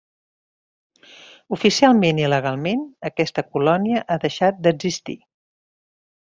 Oficialment i legalment, aquesta colònia ha deixat d'existir.